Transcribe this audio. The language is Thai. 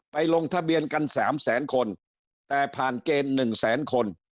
ไปลงทะเบียนกันสามแสนคนแต่ผ่านเกณฑ์หนึ่งแสนคน